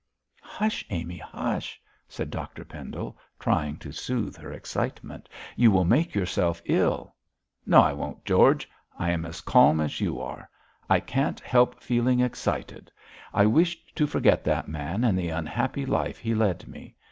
'Hush, Amy, hush!' said Dr Pendle, trying to soothe her excitement, 'you will make yourself ill!' 'No, I won't, George; I am as calm as you are; I can't help feeling excited. I wished to forget that man and the unhappy life he led me.